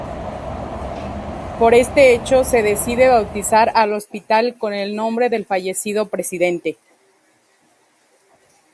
Por este hecho se decide bautizar al hospital con el nombre del fallecido presidente.